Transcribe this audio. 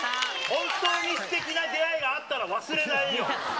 本当にすてきな出会いがあったら忘れないよ。